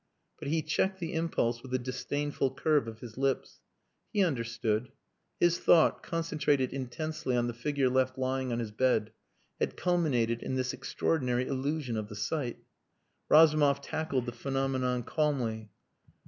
But he checked the impulse with a disdainful curve of his lips. He understood. His thought, concentrated intensely on the figure left lying on his bed, had culminated in this extraordinary illusion of the sight. Razumov tackled the phenomenon calmly.